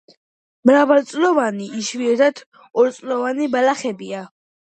მრავალწლოვანი, იშვიათად ორწლოვანი ბალახებია.